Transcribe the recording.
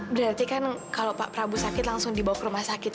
berarti kan kalau pak prabu sakit langsung dibawa ke rumah sakit